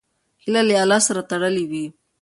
هیله له الله سره تړلې وي.